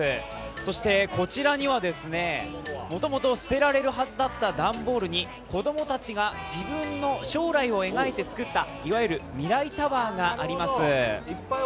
そして、こちらには、もともと捨てられるはずだった段ボールに、子どもたちが自分の将来を描いてつくった、いわゆる未来タワーがあります。